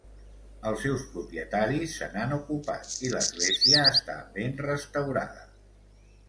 Els seus propietaris se n'han ocupat, i l'església està ben restaurada.